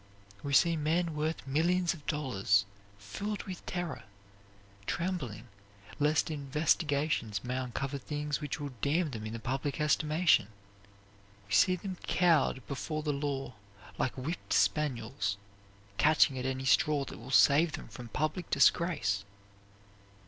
We see men worth millions of dollars filled with terror; trembling lest investigations may uncover things which will damn them in the public estimation! We see them cowed before the law like whipped spaniels; catching at any straw that will save them from public disgrace!